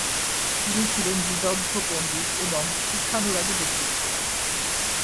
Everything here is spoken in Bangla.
তিনি ছিলেন বিদগ্ধ পণ্ডিত এবং শিক্ষানুরাগী ব্যক্তিত্ব।